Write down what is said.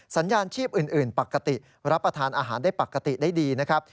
สัญญาณชีพอื่นปกติรับประทานอาหารได้ปกติได้ดีนะครับ